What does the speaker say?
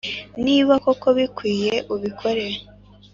niba koko bikwiye ubikore